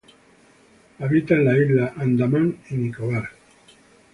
Habita en las islas Andaman y Nicobar.